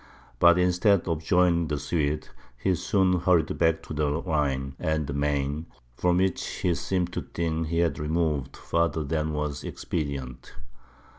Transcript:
But instead of joining the Swedes, he soon hurried back to the Rhine and the Maine, from which he seemed to think he had removed farther than was expedient.